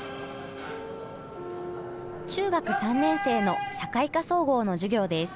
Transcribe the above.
中学３年生の社会科総合の授業です。